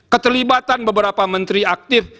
keterlibatan beberapa menteri aktif